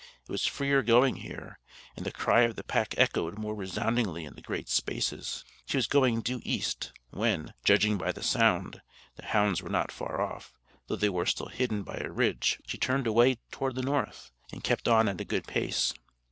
It was freer going here, and the cry of the pack echoed more resoundingly in the great spaces. She was going due east, when (judging by the sound, the hounds were not far off, though they were still hidden by a ridge) she turned away toward the north, and kept on at a good pace.